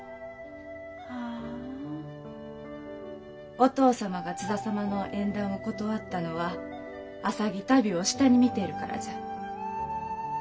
お父様が津田様の縁談を断ったのは浅葱足袋を下に見てるからじゃ。